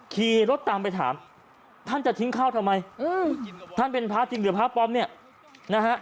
ขี่รถตามไปถามท่านจะทิ้งข้าวทำไมท่านเป็นพระจริงหรือพระปลอมเนี่ยนะฮะ